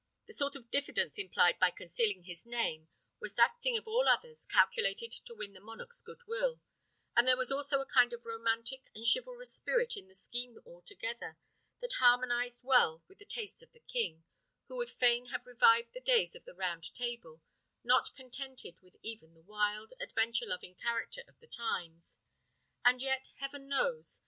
The sort of diffidence implied by concealing his name was that thing of all others calculated to win the monarch's good will; and there was also a kind of romantic and chivalrous spirit in the scheme altogether, that harmonised well with the tastes of the king, who would fain have revived the days of the Round Table, not contented with even the wild, adventure loving character of the times: and yet, heaven knows!